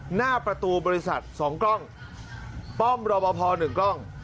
หน้าประตูบริษัท๒กล้องป้อมรอปภ๑กล้อง